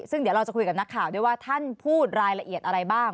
ซึ่งเดี๋ยวเราจะคุยกับนักข่าวด้วยว่าท่านพูดรายละเอียดอะไรบ้าง